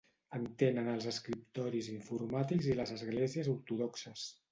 En tenen els escriptoris informàtics i les esglésies ortodoxes.